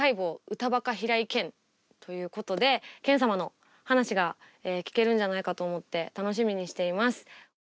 歌バカ平井堅」ということで堅様の話が聞けるんじゃないかと思って楽しみにしています。